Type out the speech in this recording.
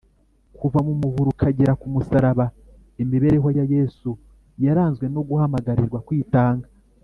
. Kuva mu muvure ukagera ku musaraba, imibereho ya Yesu yaranzwe no guhamagarirwa kwitanga